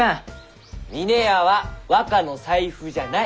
「峰屋は若の財布じゃない」！